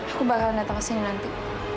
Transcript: aku bakal datang ke sini nanti